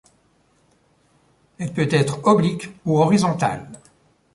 Elle peut être oblique ou horizontale.